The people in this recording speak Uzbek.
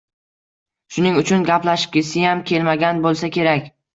Shuning uchun gaplashgisiyam kelmagan boʻlsa kerak…